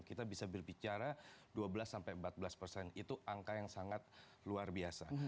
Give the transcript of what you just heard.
kita bisa berbicara dua belas sampai empat belas persen itu angka yang sangat luar biasa